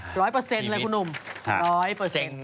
พีริปค่ะแสงหน่อยกว่าครับครับเจ็บปวด